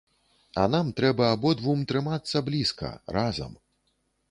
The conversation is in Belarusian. А нам трэба абодвум трымацца блізка, разам.